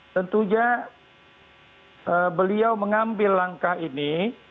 tentu saja beliau mengambil langkah ini